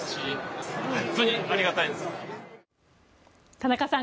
田中さん